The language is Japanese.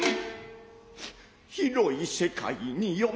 広い世界に嫁